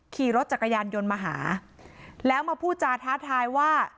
ขี่รถจักรยานยนต์มาหาแล้วมาพูดจาท้าทายว่า